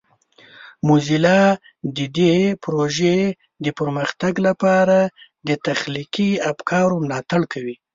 موزیلا د دې پروژې د پرمختګ لپاره د تخلیقي افکارو ملاتړ کوي.